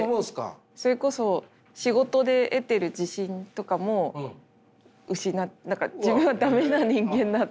それこそ仕事で得てる自信とかも失う自分は駄目な人間だって。